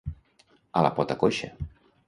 A la pota coixa.